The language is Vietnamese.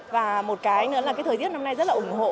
và một cái nữa là cái thời tiết năm nay rất là ủng hộ